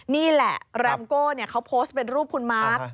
นี่แหละแรมโก้เขาโพสต์เป็นรูปคุณมาร์ค